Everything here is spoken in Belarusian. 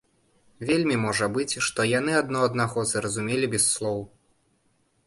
Вельмі можа быць, што яны адно аднаго зразумелі без слоў.